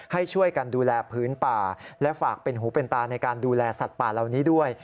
ให้ช่วยกันดูแลพื้นป่าและฝากเป็นหูเป็นตาในการดูแลสัตว์ป่าเหล่านี้ด้วย